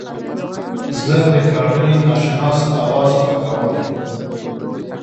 زه د ښاغلي ناشناس اواز خوښوم.